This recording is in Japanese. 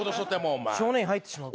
少年院入ってしまうん？